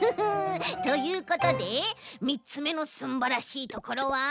ということで３つめのすんばらしいところはこちらです！